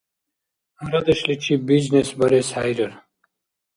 Арадешличиб бизнес барес хӏейрар